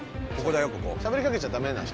しゃべりかけちゃダメな人？